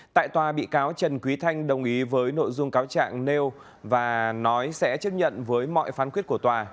tại tòa bị cáo trần quý thanh đồng ý với nội dung cáo trạng nêu và nói sẽ chấp nhận với mọi phán quyết của tòa